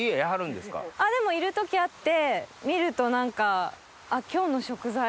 でもいる時あって見ると。